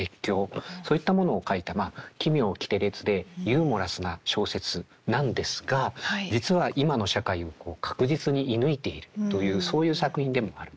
そういったものを書いた奇妙奇天烈でユーモラスな小説なんですが実は今の社会を確実に射抜いているというそういう作品でもあるんですね。